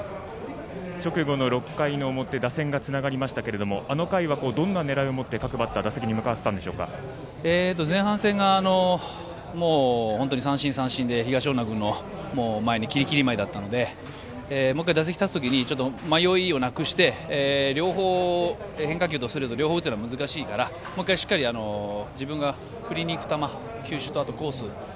直後の６回の表打線がつながりましたけれどもあの回はどんな狙いを持って各バッターを前半戦が三振、三振で東恩納君の前にきりきり舞いだったので打席に立つ前にちょっと迷いをなくして変化球とストレートの両方打つのは難しいからもう一回、しっかり自分が振りにいく球球種とコース